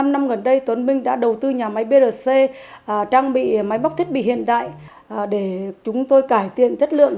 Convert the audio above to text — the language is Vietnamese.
năm năm gần đây tuấn minh đã đầu tư nhà máy brc trang bị máy bóc thiết bị hiện đại để chúng tôi cải thiện chất lượng